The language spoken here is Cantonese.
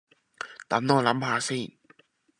等我諗吓先